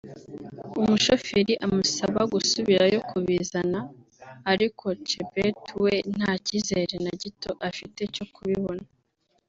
umushoferi amusaba gusubirayo kubizana ariko Chebet we nta cyizere na gito afite cyo kubibona